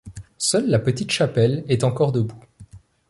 Seule la petite chapelle est encore debout.